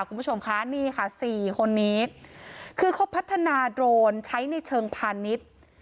คุณผู้ชมคะนี่ค่ะสี่คนนี้คือเขาพัฒนาโดรนใช้ในเชิงพาณิชย์